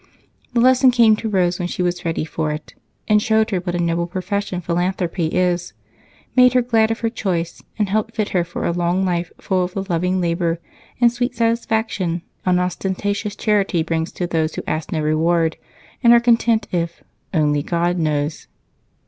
The lesson came to Rose when she was ready for it, and showed her what a noble profession philanthropy is, made her glad of her choice, and helped fit her for a long life full of the loving labor and sweet satisfaction unostentatious charity brings to those who ask no reward and are content if "only God knows."